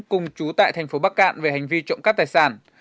cùng chú tại thành phố bắc cạn về hành vi trộm cắp tài sản